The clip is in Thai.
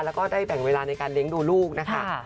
แล้วก็ได้แบ่งเวลาในการเลี้ยงดูลูกนะคะ